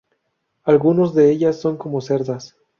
Algunos de ellas son como cerdas.